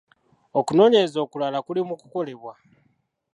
Okunoonyereza okulala kuli mu kukolebwa .